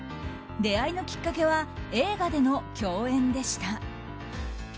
出会いのきっかけは映画での共演でした。